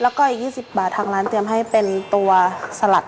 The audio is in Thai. แล้วก็อีก๒๐บาททางร้านเตรียมให้เป็นตัวสลัด